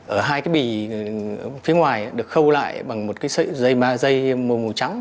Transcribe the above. ở hai cái bì phía ngoài được khâu lại bằng một sợi dây màu trắng